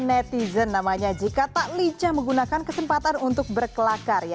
dan bukan netizen namanya jika tak licah menggunakan kesempatan untuk berkelakar